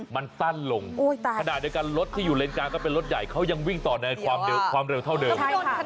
มันสั้นลงขณะเดียวกันรถที่อยู่เลนกลางก็เป็นรถใหญ่เขายังวิ่งต่อในความเร็วเท่าเดิม